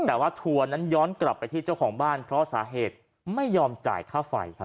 แต่ว่าทัวร์นั้นย้อนกลับไปที่เจ้าของบ้านเพราะสาเหตุไม่ยอมจ่ายค่าไฟครับ